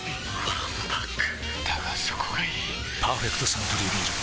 わんぱくだがそこがいい「パーフェクトサントリービール糖質ゼロ」